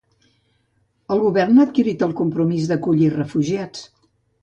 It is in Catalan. El govern ha adquirit el compromís d'acollir refugiats